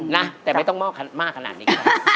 นะแต่ไม่ต้องมอบมากขนาดนี้